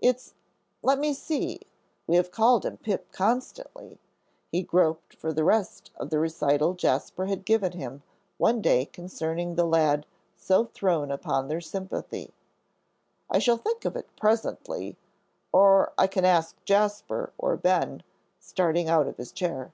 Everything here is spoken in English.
"It's let me see, we have called him Pip constantly " he groped for the rest of the recital Jasper had given him one day concerning the lad so thrown upon their sympathy. "I shall think of it presently, or I can ask Jasper, or Ben," starting out of his chair.